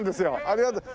ありがとう。